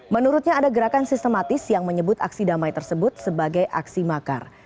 menurutnya ada gerakan sistematis yang menyebut aksi damai tersebut sebagai aksi makar